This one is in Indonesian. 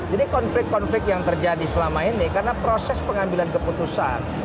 jadi konflik konflik yang terjadi selama ini karena proses pengambilan keputusan